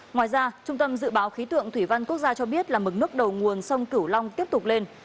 ngoài ra trung tâm dự báo khí tượng thủy văn quốc gia cho biết là mực nước đầu nguồn sông cửu long tiếp tục lên